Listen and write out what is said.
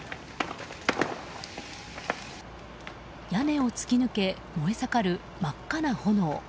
屋根を突き抜け燃え盛る真っ赤な炎。